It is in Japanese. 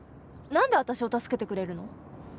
何で私を助けてくれるの？